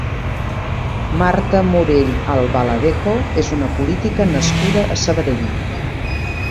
Marta Morell Albaladejo és una política nascuda a Sabadell.